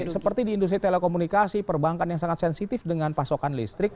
seperti di industri telekomunikasi perbankan yang sangat sensitif dengan pasokan listrik